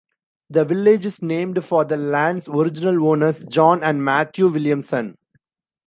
The village is named for the land's original owners, John and Matthew Williamson.